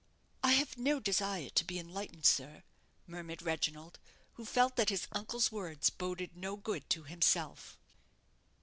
"I have no desire to be enlightened, sir," murmured Reginald, who felt that his uncle's words boded no good to himself.